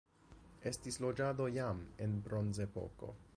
Estis loĝado jam en Bronzepoko.